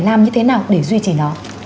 làm như thế nào để duy trì nó